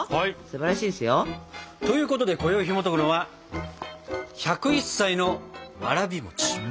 すばらしいですよ。ということでこよいひもとくのは「１０１歳のわらび餅」。